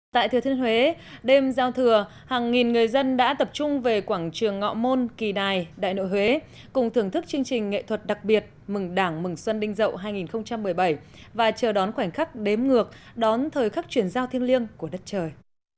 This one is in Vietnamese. tại thừa thiên huế đêm giao thừa hàng nghìn người dân đã tập trung về quảng trường ngọ môn kỳ đài đại nội huế cùng thưởng thức chương trình nghệ thuật đặc biệt mừng đảng mừng xuân đinh dậu hai nghìn một mươi bảy và chờ đón khoảnh khắc đếm ngược đón thời khắc chuyển giao thiêng liêng của đất trời